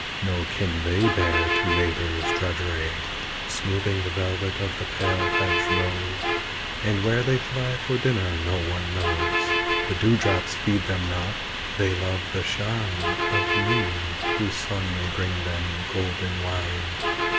No kin they bear to labour's drudgery, Smoothing the velvet of the pale hedge rose; And where they fly for dinner no one knows The dew drops feed them not they love the shine Of noon, whose sun may bring them golden wine.